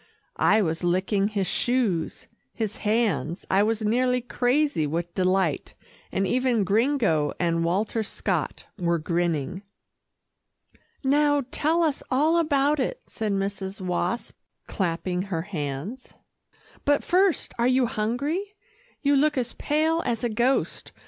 I was licking his shoes, his hands I was nearly crazy with delight, and even Gringo and Walter Scott were grinning. "Now, tell us all about it," said Mrs. Wasp, clapping her hands, "but first, are you hungry? You look as pale as a ghost.